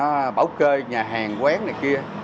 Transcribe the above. nó bỏ kê nhà hàng quán này kia